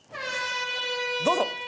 どうぞ。